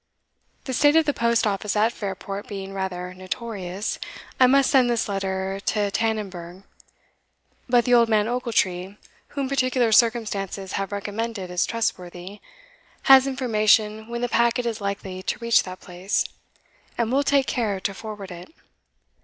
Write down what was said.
The state of the post office at Fairport being rather notorious, I must send this letter to Tannonburgh; but the old man Ochiltree, whom particular circumstances have recommended as trustworthy, has information when the packet is likely to reach that place, and will take care to forward it.